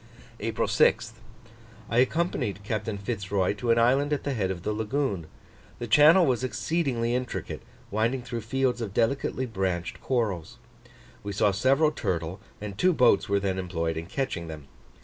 April 6th. I accompanied Captain Fitz Roy to an island at the head of the lagoon: the channel was exceedingly intricate, winding through fields of delicately branched corals. We saw several turtle and two boats were then employed in catching them.